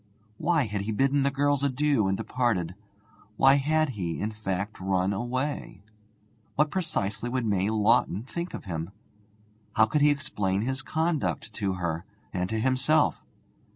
Why had he bidden the girls adieu and departed? Why had he, in fact, run away? What precisely would May Lawton think of him? How could he explain his conduct to her and to himself?